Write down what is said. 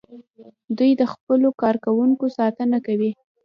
دوی د خپلو کارکوونکو ساتنه کوي.